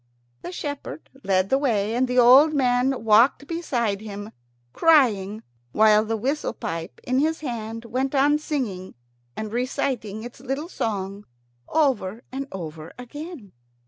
The shepherd led the way, and the old man walked beside him, crying, while the whistle pipe in his hand went on singing and reciting its little song over and over again.